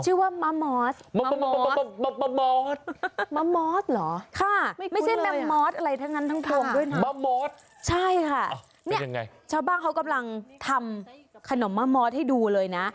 หมะมอตหมะมอตหมะมอตหมะมอตหมะมอตใช่ค่ะเขากำลังทำขนมมามอตให้ดูเลยนะ